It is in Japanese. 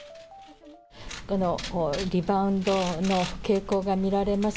リバウンドの傾向が見られます